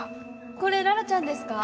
これ羅羅ちゃんですか？